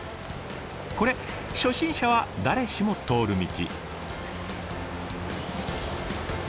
これ初心者は誰しも通る道。